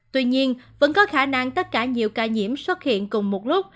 tuy nhiên vẫn có khả năng tất cả nhiều ca nhiễm xuất hiện cùng một lúc